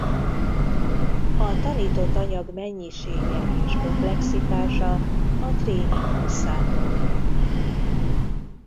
A tanított anyag mennyisége és komplexitása a tréning hosszától függ.